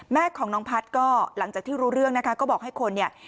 แม่ของน้องพัฒน์ก็หลังจากที่รู้เรื่องนะคะก็บอกให้คนเนี่ย